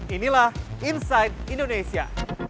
inilah inside indonesia